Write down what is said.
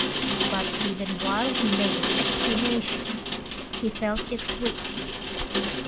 But even whilst he made this explanation he felt its weakness.